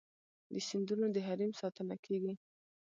د سیندونو د حریم ساتنه کیږي؟